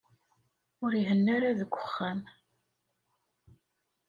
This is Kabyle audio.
Ur ihenna ara deg uxxam.